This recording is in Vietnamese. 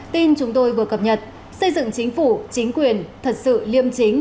tin chúng tôi vừa cập nhật xây dựng chính phủ chính quyền thật sự liêm chính